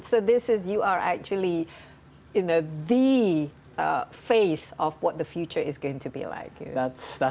jadi anda sebenarnya adalah bagian dari masa depan bagaimana akan berjalan